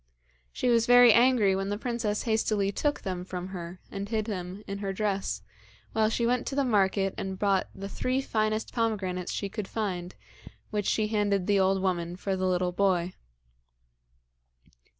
She was very angry when the princess hastily took them from her and hid them in her dress, while she went to the market and bought the three finest pomegranates she could find, which she handed the old woman for the little boy.